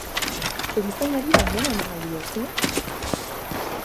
Erizainari baimena eman al diozu?